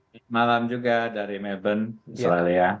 selamat malam juga dari melbourne australia